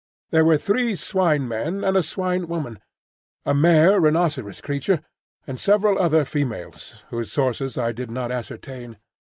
There were three Swine men and a Swine woman, a mare rhinoceros creature, and several other females whose sources I did not ascertain.